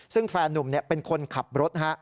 ซึ่งแฟนนุ่มเป็นคนขับรถ